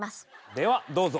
ではどうぞ。